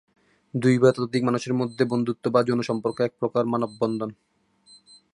দুই বা ততোধিক মানুষের মধ্যে বন্ধুত্ব বা যৌন সম্পর্ক এক প্রকারের মানব-বন্ধন।